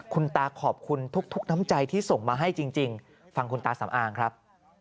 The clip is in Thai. คุณตาขอบคุณทุกน้ำใจที่ส่งมาให้จริงฟังคุณตาสำอางครับ